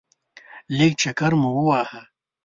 لږ چکر مو وواهه.